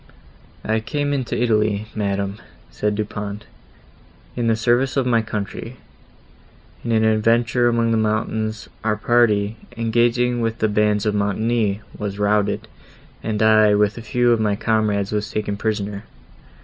"I came into Italy, madam," said Du Pont, "in the service of my country. In an adventure among the mountains our party, engaging with the bands of Montoni, was routed, and I, with a few of my comrades, was taken prisoner.